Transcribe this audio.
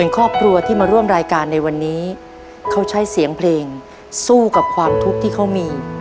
ครอบครัวที่มาร่วมรายการในวันนี้เขาใช้เสียงเพลงสู้กับความทุกข์ที่เขามี